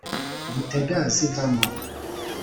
Dutega zivamo